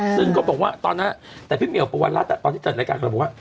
ซึ่งเพราะว่าตอนที่จดรายการกับพี่เมียวประวัติรัส